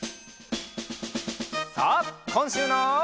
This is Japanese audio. さあこんしゅうの。